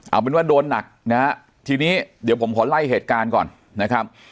เอาเป็นว่าโดนหนักนะฮะทีนี้เดี๋ยวผมขอไล่เหตุการณ์ก่อนนะครับ